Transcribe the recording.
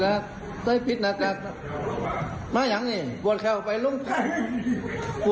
โอเคโอเคไปโรงพยาบาลได้เร็ว